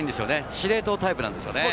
司令塔タイプなんですよね。